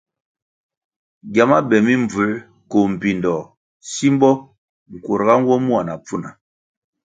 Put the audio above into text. Giama be mimbvuer koh mbpindoh simbo nkurga nwo mua na pfuna.